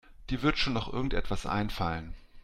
Dir wird schon noch irgendetwas einfallen.